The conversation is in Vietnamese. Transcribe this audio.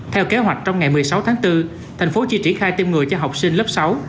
theo kế hoạch trong ngày một mươi sáu tháng bốn thành phố chỉ triển khai tiêm ngừa cho học sinh lớp sáu